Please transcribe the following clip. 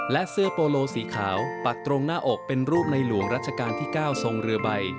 และเสื้อโปโลสีขาวปักตรงหน้าอกเป็นรูปในหลวงรัชกาลที่๙ทรงเรือใบ